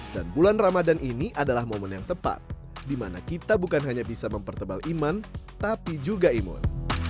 dan bulan ramadhan ini adalah momen yang tepat dimana kita bukan hanya bisa mempertebal iman tapi juga imun